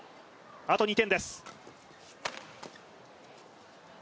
あと２点です。